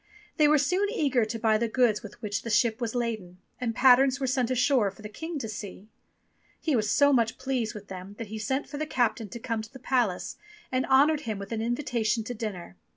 They were soon eager to buy the goods with which the ship was laden, and patterns were sent ashore for the King to see. He was so much pleased with them that he sent for the captain to come to the palace, and honoured him with an invitation to dinner.